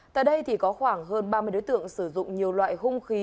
tại đây thì có khoảng hơn ba mươi đối tượng sử dụng nhiều loại hung khí